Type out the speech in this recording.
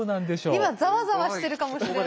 今ザワザワしてるかもしれない。